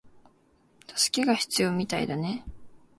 助けが必要みたいだね